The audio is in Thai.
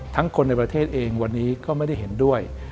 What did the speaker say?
คนในประเทศเองวันนี้ก็ไม่ได้เห็นด้วย